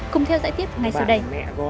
cùng theo giải tiếp ngay sau đây